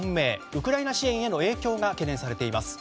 ウクライナ支援への影響が懸念されています。